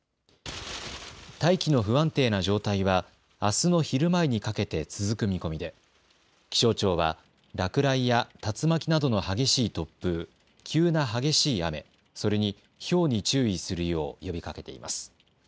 大気の不安定な状態はあすの昼前にかけて続く見込みで気象庁は落雷や竜巻などの激しい突風、急な激しい雨、それにひょうに注意するよう呼びかけています。